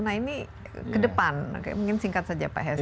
nah ini ke depan mungkin singkat saja pak hesto